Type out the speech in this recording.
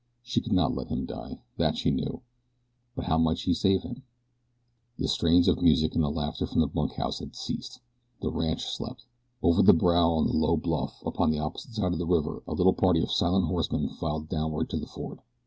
She could not let him die, that she knew; but how might she save him? The strains of music and the laughter from the bunkhouse had ceased. The ranch slept. Over the brow of the low bluff upon the opposite side of the river a little party of silent horsemen filed downward to the ford.